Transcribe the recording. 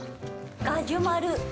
ガジュマル！